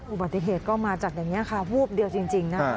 อุบัติเหตุก็มาจากอย่างนี้ค่ะวูบเดียวจริงนะคะ